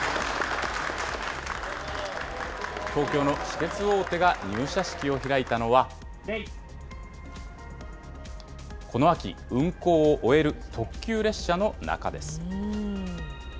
東京の私鉄大手が入社式を開いたのは、この秋、運行を終える特急列車の中です。